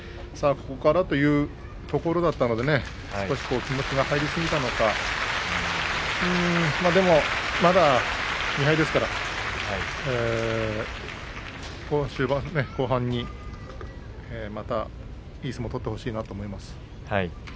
ここからというところだったので少し気持ちが入りすぎたのかでもまだ２敗ですから後半にまたいい相撲を取ってほしいなと思います。